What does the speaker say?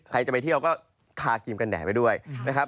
ใครจะไปเที่ยวก็ทาครีมกันแด่ไปด้วยนะครับ